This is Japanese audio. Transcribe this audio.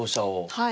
はい。